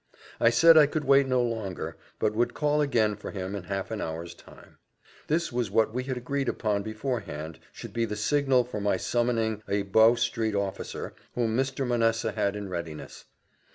I said I could wait no longer, but would call again for him in half an hour's time. This was what we had agreed upon beforehand should be the signal for my summoning a Bow street officer, whom Mr. Manessa had in readiness.